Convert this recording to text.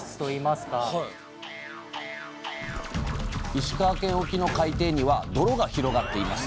石川県沖の海底には泥が広がっています。